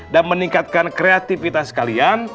dan meningkatkan kreatifitas kalian